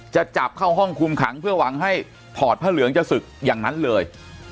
จะจับเข้าห้องคุมขังเพื่อหวังให้ถอดผ้าเหลืองจะศึกอย่างนั้นเลย